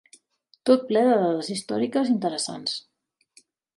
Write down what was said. Tot ple de dades històriques interessants.